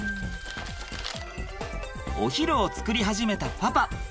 お昼を作り始めたパパ。